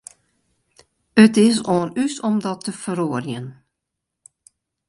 It is oan ús om dat te feroarjen.